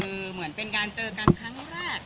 คือเหมือนเป็นการเจอกันครั้งแรก